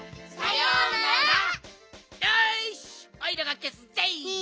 よしおいらがけすぜい！